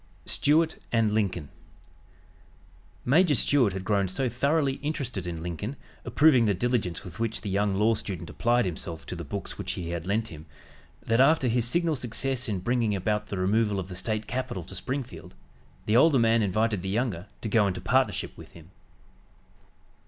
STUART & LINCOLN Major Stuart had grown so thoroughly interested in Lincoln, approving the diligence with which the young law student applied himself to the books which he had lent him, that, after his signal success in bringing about the removal of the State capital to Springfield, the older man invited the younger to go into partnership with him.